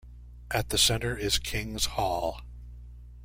At the centre is King's Hall.